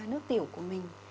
nước tiểu của mình